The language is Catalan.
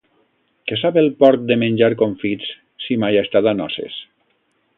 Què sap el porc de menjar confits, si mai ha estat a noces?